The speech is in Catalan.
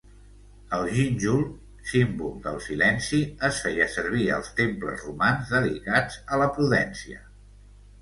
El gínjol, símbol del silenci, es feia servir als temples romans dedicats a la prudència.